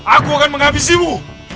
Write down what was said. aku akan menghabisimu